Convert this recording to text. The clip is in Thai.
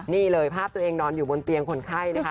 นี่เลยภาพตัวเองนอนอยู่บนเตียงคนไข้นะคะ